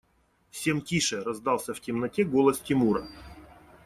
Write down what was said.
Всем тише! – раздался в темноте голос Тимура.